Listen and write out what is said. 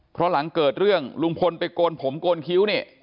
เพราะหลังเกิดเรื่องลุงพลไปโกนผมโกนคิ้วเนี่ย